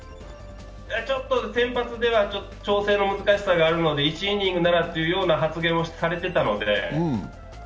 ちょっと先発では調整の難しさがあるので１イニングならというような発言をされてたので。